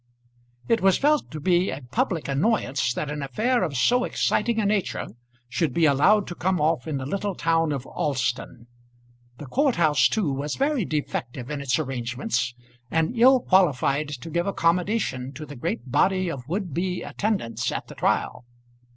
It was felt to be a public annoyance that an affair of so exciting a nature should be allowed to come off in the little town of Alston. The court house, too, was very defective in its arrangements, and ill qualified to give accommodation to the great body of would be attendants at the trial.